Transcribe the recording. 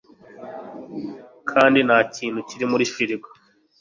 kandi ntakintu kiri muri firigo